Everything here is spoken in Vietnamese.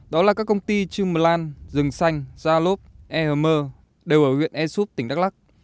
đó là các công ty chumlan rừng xanh zalop ehmr đều ở huyện esup tỉnh đắk lắc